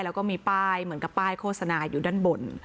แล้วก็มีป้ายเหมือนกับป้ายโฆษณาอยู่ด้านบน